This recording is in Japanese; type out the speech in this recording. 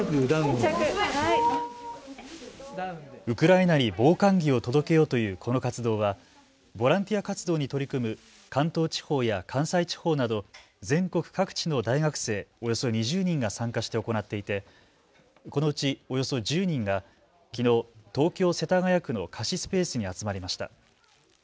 ウクライナに防寒着を届けようというこの活動はボランティア活動に取り組む関東地方や関西地方など全国各地の大学生およそ２０人が参加して行っていてこのうち、およそ１０人がきのう東京世田谷区の貸しスペースに集まりました。